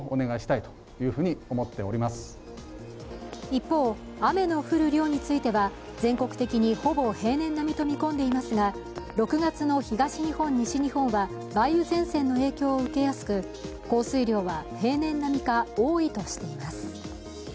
一方、雨の降る量については全国的にほぼ平年並みと見込んでいますが６月の東日本、西日本は梅雨前線の影響を受けやすく降水量は平年並みか多いとしています。